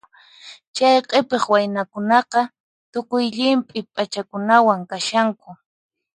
Chay q'ipiq waynakunaqa tukuy llimp'i p'achakunawan kashanku.